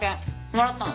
もらったの。